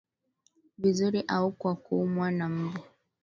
vizuri au kwa kuumwa na mbu